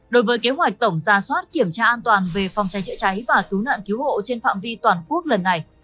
đối với kế hoạch tổng ra soát kiểm tra an toàn về phòng cháy chữa cháy và cứu nạn cứu hộ trên phạm vi toàn quốc lần này